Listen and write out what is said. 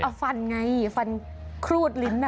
เอาฟันไงฟันครูดลิ้น